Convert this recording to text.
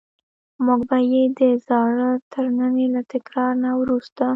موږ به یې د زاړه ترننی له تکرار نه وروسته.